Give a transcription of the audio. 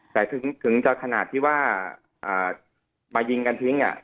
แต่ถึงถึงจะขนาดที่ว่าอ่ามายิงกันทิ้งอ่ะ